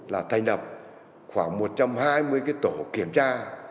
là thành đập khoảng một trăm hai mươi cái tổ kiểm tra